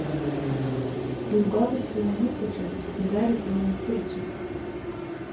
Иугәаларшәа уаныхәыҷыз, угараҵан уансырцәоз.